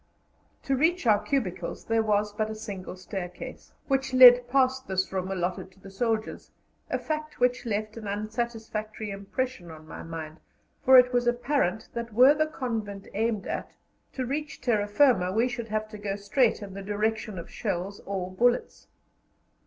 To reach our cubicles there was but a single staircase, which led past this room allotted to the soldiers a fact which left an unsatisfactory impression on my mind, for it was apparent that, were the convent aimed at, to reach terra firma we should have to go straight in the direction of shells or bullets.